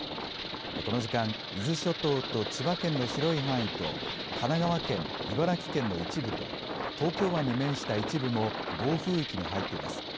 この時間、伊豆諸島と千葉県の広い範囲と神奈川県、茨城県の一部と東京湾に面した一部も暴風域に入っています。